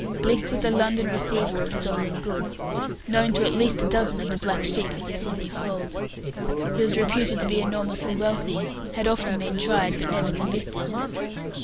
Blicks was a London receiver of stolen goods, known to at least a dozen of the black sheep of the Sydney fold. He was reputed to be enormously wealthy, had often been tried, but never convicted.